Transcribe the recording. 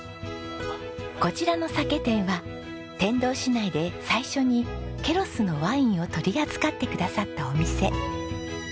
こちらの酒店は天童市内で最初にケロスのワインを取り扱ってくださったお店。